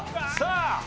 さあ